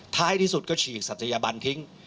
ท้ายที่สุดก็ฉีดศัตยบันทิ้ง